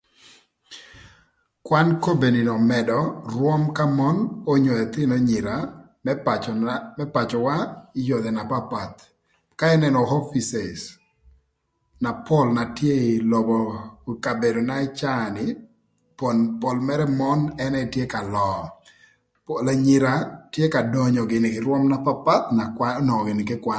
Kwan kobedini ömëdö rwöm ka mon onyo ëthïnö anyira më pacöna më pacöwa ï yodhi na papath ka ïnënö opicec na pol na tye ï lobo ï kabedona na ï caa ni pol mërë mon ënë tye ka löö pol anyira tye ka donyo gïnï kï rwöm na papath na kwan n'onwongo gïnï kï kwan